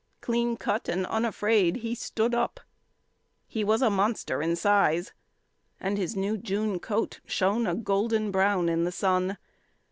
Clean cut and unafraid, he stood up. He was a monster in size, and his new June coat shone a golden brown in the sun.